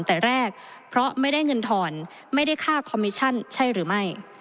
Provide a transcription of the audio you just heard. แต่แรกเพราะไม่ได้เงินทอนไม่ได้ค่าคอมมิชั่นใช่หรือไม่